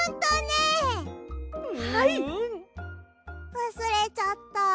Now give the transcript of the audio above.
わすれちゃった。